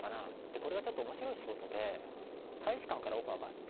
これがちょっとおもしろい仕事で、大使館からオファーがあって、